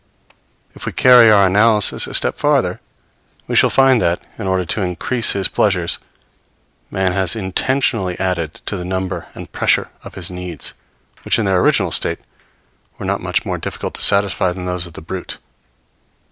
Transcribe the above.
If we carry our analysis a step farther, we shall find that, in order to increase his pleasures, man has intentionally added to the number and pressure of his needs, which in their original state were not much more difficult to satisfy than those of the brute.